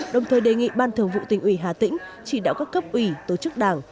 đồng thời đề nghị ban thường vụ tỉnh ủy hà tĩnh chỉ đạo các cấp ủy tổ chức đảng